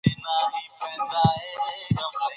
حاجي مریم اکا راته معلومات ورکوي.